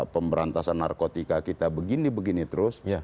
pemberantasan narkotika kita begini begini terus